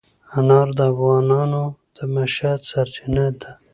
انار د افغانانو د معیشت سرچینه ده.